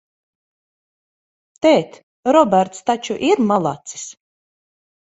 Tēt, Roberts taču ir malacis?